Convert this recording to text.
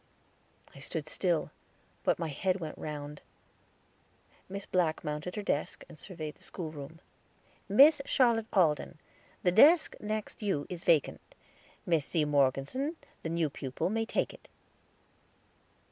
I stood still, but my head went round. Miss Black mounted her desk, and surveyed the school room. "Miss Charlotte Alden, the desk next you is vacant; Miss C. Morgeson, the new pupil, may take it."